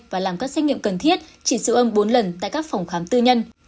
và làm các xét nghiệm cần thiết chỉ siêu âm bốn lần tại các phòng khám tư nhân